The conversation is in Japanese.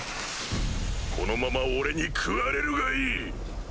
このまま俺に食われるがいい！